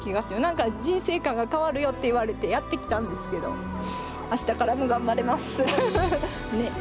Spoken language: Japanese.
何か人生観が変わるよって言われてやって来たんですけどあしたからも頑張れます。ね！